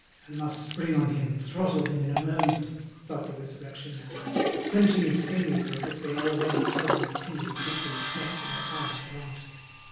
"I must spring upon him and throttle him in a moment," thought the Resurrection Man, clenching his fingers as if they already held the intended victim's neck in their iron grasp.